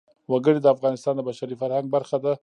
وګړي د افغانستان د بشري فرهنګ برخه ده.